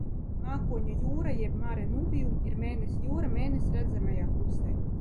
Mākoņu jūra jeb Mare Nubium ir Mēness jūra Mēness redzamajā pusē.